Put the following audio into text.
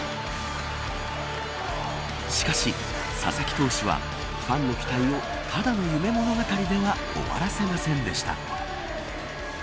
しかし、佐々木投手はファンの期待をただの夢物語では終わらせませんでした。